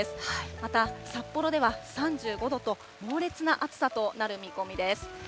また、札幌では３５度と、猛烈な暑さとなる見込みです。